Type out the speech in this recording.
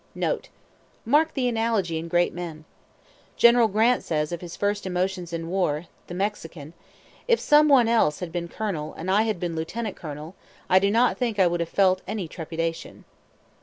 (NOTE. Mark the analogy in great men. General Grant says of his first emotions in war the Mexican "If some one else had been colonel, and I had been lieutenant colonel, I do not think I would have felt any trepidation.")